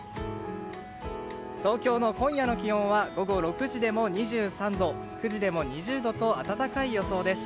東京の今夜の気温は午後６時でも２３度９時でも２０度と暖かい予想です。